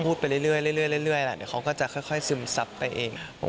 พูดไปเรื่อยแล้วเดี๋ยวเขาก็จะค่อยซึมซับไปเอง